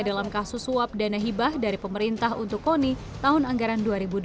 dalam kasus suap dana hibah dari pemerintah untuk koni tahun anggaran dua ribu delapan belas